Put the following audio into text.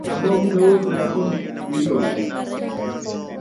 ambao muda wote unapaswa kusitiriwa